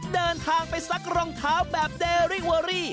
เดินทางไปซักรองเท้าแบบเดรี่เวอรี่